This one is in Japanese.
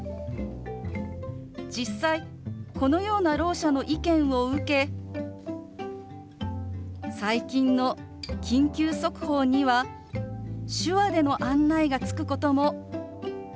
実際このようなろう者の意見を受け最近の緊急速報には手話での案内がつくことも増えてきました。